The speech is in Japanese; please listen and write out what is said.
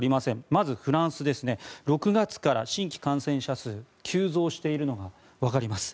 まずフランス、６月から新規感染者数急増しているのがわかります。